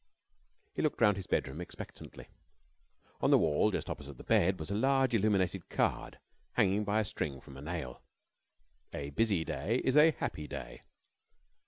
He looked round his bedroom expectantly. On the wall, just opposite his bed, was a large illuminated card hanging by a string from a nail "A Busy Day is a Happy Day."